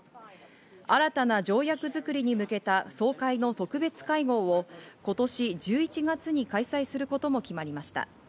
新たな条約づくりに向けた総会の特別会合を今年１１月に開催することも決まりました。